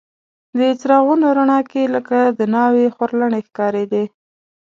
د څراغونو رڼا کې لکه د ناوې خورلڼې ښکارېدې.